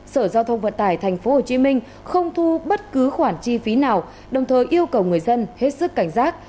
sở giao thông vận tải tp hcm không thu bất cứ khoản chi phí nào đồng thời yêu cầu người dân hết sức cảnh giác